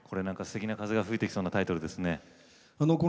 すてきな風が吹いてきそうなタイトルですね。